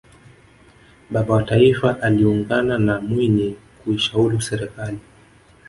baba wa taifa aliungana na mwinyi kuishauli serikali